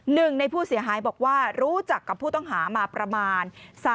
หนึ่งในผู้เสียหายบอกว่ารู้จักกับผู้ต้องหามาประมาณ